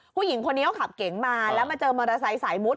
ผู้หญิงคนนี้เขาขับเก๋งมาแล้วมาเจอมอเตอร์ไซค์สายมุด